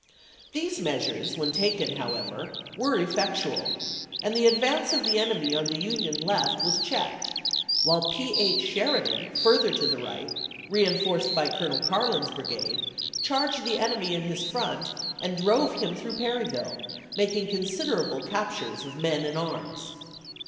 These measures when taken, however, were effectual, and the advance of the enemy on the Union left was checked; while P. H. Sheridan, further to the right, reenf orced by Colonel Carlin's brigade, charged the enemy in his front, and drove him through Perryville, making consid erable captures of men and arms.